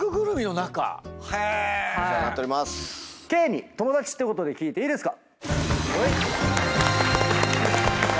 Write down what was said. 圭に友達ってことで聞いていいですか？